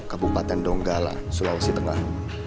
kabupaten donggala sulawesi tengah